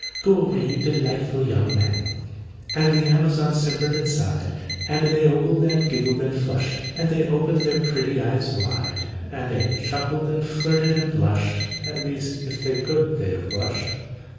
Go away, you delightful young man!" And the Amazons simpered and sighed, And they ogled, and giggled, and flushed, And they opened their pretty eyes wide, And they chuckled, and flirted, and blushed (At least, if they could, they'd have blushed).